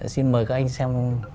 xin mời các anh xem